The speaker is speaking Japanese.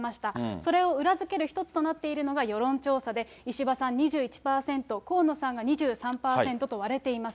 それを裏付ける一つとなっているのが、世論調査で石破さん２１％、河野さんが２３％と割れています。